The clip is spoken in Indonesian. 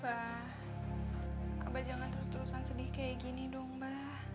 abah jangan terus terusan sedih kayak gini dong mbak